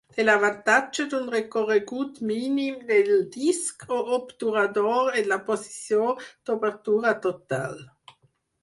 Té l'avantatge d'un recorregut mínim del disc o obturador en la posició d'obertura total.